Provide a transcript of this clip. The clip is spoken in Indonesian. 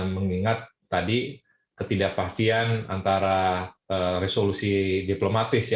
mengingat tadi ketidakpastian antara resolusi diplomatis